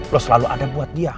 lo selalu ada buat dia